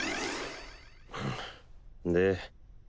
で？